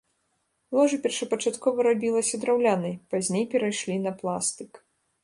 Ложа першапачаткова рабілася драўлянай, пазней перайшлі на пластык.